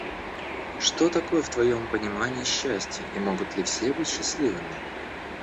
Что такое в твоем понимании счастье и могут ли все быть счастливыми?